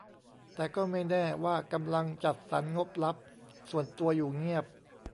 แต่ก็ไม่แน่ว่ากำลังจัดสรรงบลับส่วนตัวอยู่เงียบ